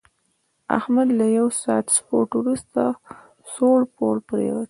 احمد له یوه ساعت سپورت ورسته سوړ پوړ پرېوت.